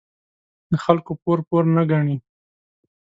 د خلکو پور، پور نه گڼي.